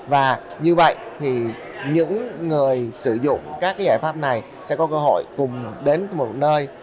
và như vậy thì những người sử dụng các giải pháp này sẽ có cơ hội cùng đến một nơi